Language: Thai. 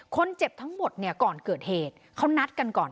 คนเจ็บทั้งหมดเนี่ยก่อนเกิดเหตุเขานัดกันก่อน